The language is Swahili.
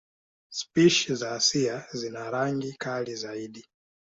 Spishi za Asia zina rangi kali zaidi.